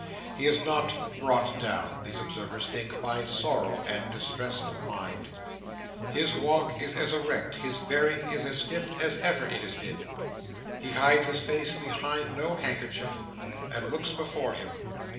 He is not "brought down," these observers think, by sorrow and distress of mind. His walk is as erect, his bearing is as stiff as ever it has been. He hides his face behind no handkerchief, and looks before him.